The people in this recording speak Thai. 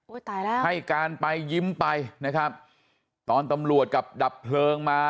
ตายแล้วให้การไปยิ้มไปนะครับตอนตำรวจกับดับเพลิงมา